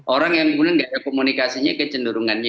orang yang kemudian tidak ada komunikasinya kecenderungannya